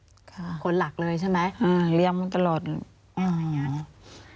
เพราะพ่อแม่ต้องไปทำงานกันเพราะฉะนั้นย่าเป็นคนเลี้ยงคนหลักเลยใช่ไหม